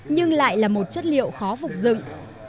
nhưng lại là một chất liệu khó phục dựng